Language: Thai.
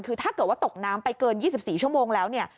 คือถ้าเกิดว่าตกน้ำไปเกิน๒๔ชั่วโมงแล้วเนี่ย